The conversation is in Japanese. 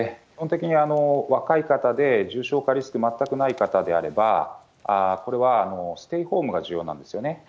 基本的に若い方で重症化リスク全くない方であれば、これはステイホームが重要なんですよね。